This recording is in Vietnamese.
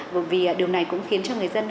bởi vì điều này cũng khiến cho người dân